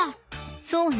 そうね